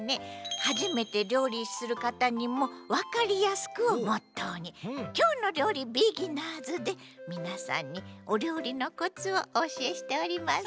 「はじめてりょうりするかたにもわかりやすく」をモットーに「きょうの料理ビギナーズ」でみなさんにおりょうりのコツをおおしえしております。